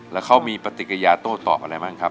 แล้วเขามีปฏิกิริยาโต้ตอบอะไรบ้างครับ